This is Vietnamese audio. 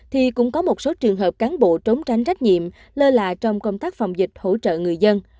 thì cũng có một số trường hợp cán bộ trốn tránh trách nhiệm lơ là trong công tác phòng dịch hỗ trợ người dân